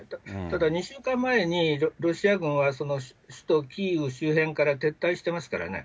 ただ、２週間前に、ロシア軍は首都キーウ周辺から撤退してますからね。